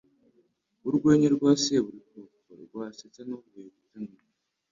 Urwenya rwa seburikoko rwasetsa nuvuye guta nyina